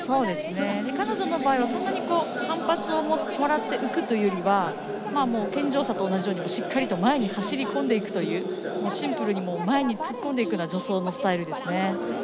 彼女の場合そんなに反発をもらって浮くというよりかは健常者と同じようにしっかりと前に走り込んでいくというシンプルに前に突っ込んでいくような助走のスタイルですね。